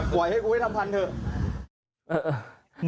ปล่อยให้กูให้ทำพันเถอะ